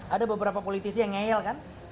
ada beberapa politisi yang ngeyel kan